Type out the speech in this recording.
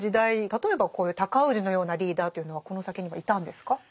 例えばこういう尊氏のようなリーダーというのはこの先にはいたんですか？